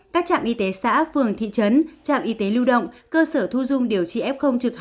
các trạm y tế xã phường thị trấn trạm y tế lưu động cơ sở thu dung điều trị f hai mươi bốn bảy